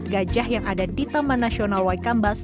gajah yang ada di taman nasional waikambas